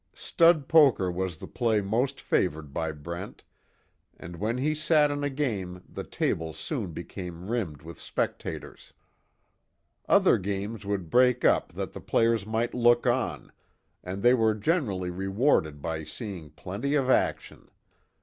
Stud poker was the play most favored by Brent, and when he sat in a game the table soon became rimmed with spectators. Other games would break up that the players might look on, and they were generally rewarded by seeing plenty of action.